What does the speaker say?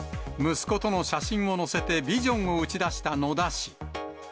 息子との写真を載せて、ビジョンを打ち出した野田氏。